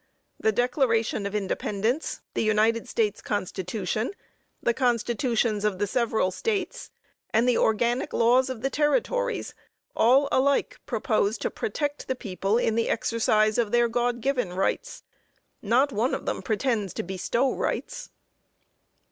The Declaration of Independence, the United States Constitution, the constitutions of the several states and the organic laws of the territories, all alike propose to protect the people in the exercise of their God given rights. Not one of them pretends to bestow rights.